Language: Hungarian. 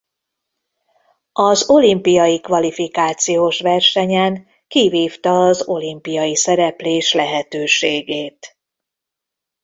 Az olimpiai kvalifikációs versenyen kivívta az olimpiai szereplés lehetőségét.